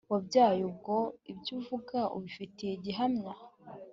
wabyaye Ubwo ibyo uvuga ubifitiye gihamya